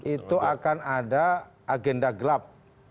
itu akan ada agenda gelap